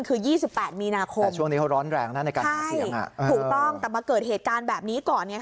คือ๒๘มีนาคมแต่ช่วงนี้เขาร้อนแรงนะในการหาเสียงถูกต้องแต่มาเกิดเหตุการณ์แบบนี้ก่อน